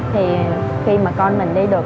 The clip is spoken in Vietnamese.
thì khi mà con mình đi được